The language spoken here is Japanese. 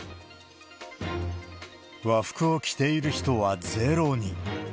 和服を着ている人はゼロに。